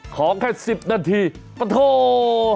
ขอแค่๑๐นาทีปะโถ